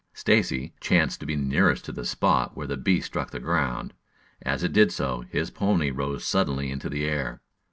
Stacy chanced to be nearest to the spot where the beast struck the ground. As it did so, his pony rose suddenly into the air.